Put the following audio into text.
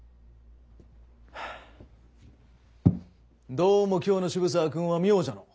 どうも今日の渋沢君は妙じゃのう。